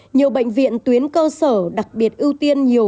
nhiều bệnh viện tuyến cơ sở đặc biệt ưu tiên nhiều